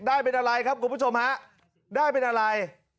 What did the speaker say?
ได้เป็นอะไรครับคุณผู้ชมฮะได้เป็นอะไร